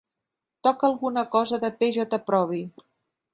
Toca alguna cosa de P. J. Proby